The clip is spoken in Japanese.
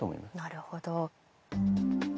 なるほど。